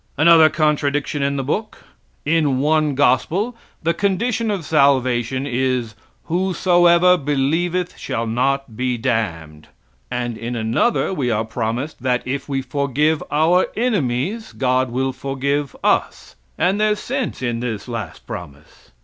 Another contradiction in the book: in one gospel the condition of salvation is "whosoever believeth shall not be damned," and in another we are promised that if we forgive our enemies God will forgive us and there's sense in this last promise.